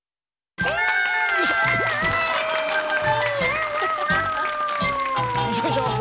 よいしょ。